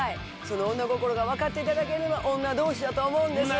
そんな女心が分かっていただけるのは女同士やと思うんです。